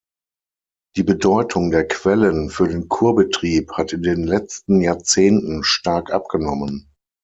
Die Bedeutung der Quellen für den Kurbetrieb hat in den letzten Jahrzehnten stark abgenommen.